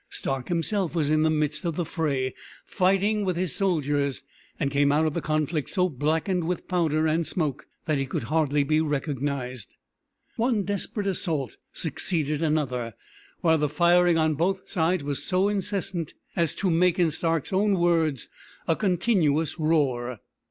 Stark himself was in the midst of the fray, fighting with his soldiers, and came out of the conflict so blackened with powder and smoke that he could hardly be recognized. One desperate assault succeeded another, while the firing on both sides was so incessant as to make, in Stark's own words, a "continuous roar."